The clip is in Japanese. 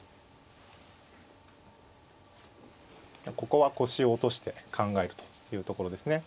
ここは腰を落として考えるというところですね。